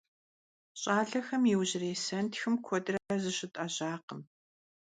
ЩIалэхэм иужьрей сэнтхым куэдрэ зыщытIэжьакъым.